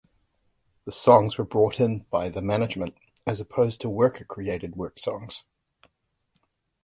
The songs were brought in by the management, as opposed to worker-created work songs.